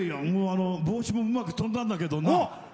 帽子もうまく飛んだんだけどな。